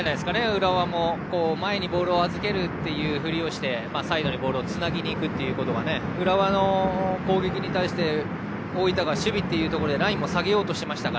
浦和も前にボールを預けるふりをしてサイドにボールをつなぎにいくということは浦和の攻撃に対して、大分が守備というところでラインも下げようとしていましたし